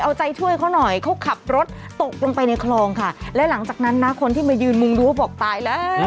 เอาใจช่วยเขาหน่อยเขาขับรถตกลงไปในคลองค่ะและหลังจากนั้นนะคนที่มายืนมุงดูเขาบอกตายแล้ว